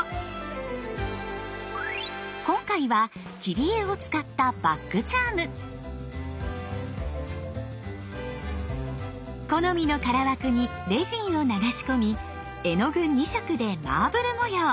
今回は切り絵を使った好みの空枠にレジンを流し込み絵の具２色でマーブル模様。